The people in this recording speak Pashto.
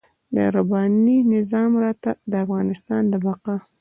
د رباني نظام راته د افغانستان د بقا.